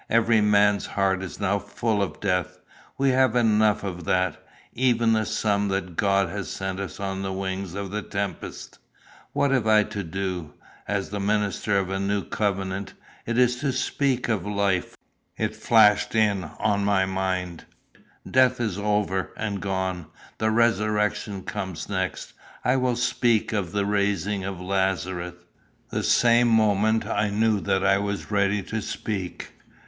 Every man's heart is now full of death. We have enough of that even the sum that God has sent us on the wings of the tempest. What I have to do, as the minister of the new covenant, is to speak of life." It flashed in on my mind: "Death is over and gone. The resurrection comes next. I will speak of the raising of Lazarus." The same moment I knew that I was ready to speak.